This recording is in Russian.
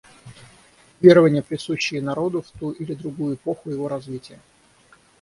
Верования, присущие народу в ту или другую эпоху его развития.